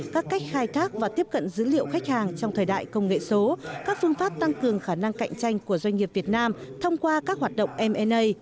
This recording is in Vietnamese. các cách khai thác và tiếp cận dữ liệu khách hàng trong thời đại công nghệ số các phương pháp tăng cường khả năng cạnh tranh của doanh nghiệp việt nam thông qua các hoạt động mna